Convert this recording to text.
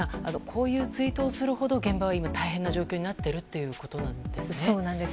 こういうツイートをするほど現場は大変な状況になっているということなんですね。